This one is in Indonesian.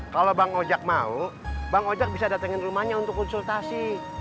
kalau bang ojak mau bang ojek bisa datangin rumahnya untuk konsultasi